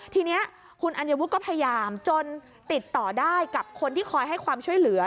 ทีนี้คุณอัญวุฒิก็พยายามจนติดต่อได้กับคนที่คอยให้ความช่วยเหลือ